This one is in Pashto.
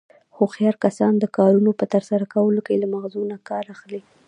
هوښیار کسان د کارنو په ترسره کولو کې له مغزو نه کار اخلي.